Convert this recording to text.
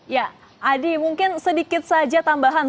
ya adi mungkin sedikit saja tambahan